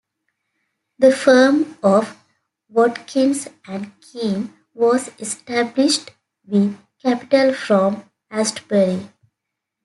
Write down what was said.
The firm of "Watkins and Keen" was established with capital from Astbury.